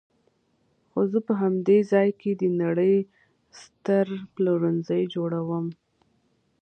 خو زه به په همدې ځای کې د نړۍ ستر پلورنځی جوړوم.